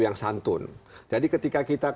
yang santun jadi ketika kita